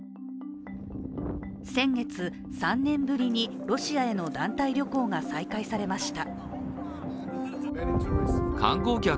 先月、３年ぶりにロシアへの団体旅行が再開されました。